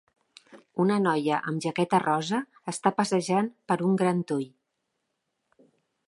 Una noia amb jaqueta rosa està passejant per un gran toll.